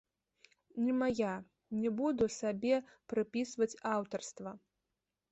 Не мая, не буду сабе прыпісваць аўтарства.